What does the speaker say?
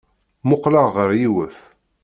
Mmuqqleɣ ɣer yiwet.